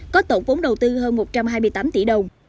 có tổng vốn đầu tư hơn một trăm hai mươi tám tỷ đồng